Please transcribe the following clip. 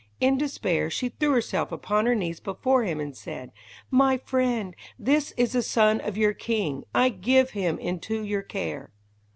In despair she threw herself upon her knees before him, and said: "My friend, this is the son of your king. I give him into your care."